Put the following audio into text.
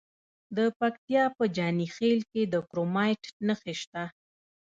د پکتیا په جاني خیل کې د کرومایټ نښې شته.